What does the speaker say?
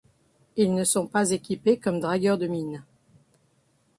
Ils ne sont pas équipés comme dragueur de mines.